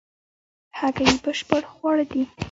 هګۍ بشپړ خواړه دي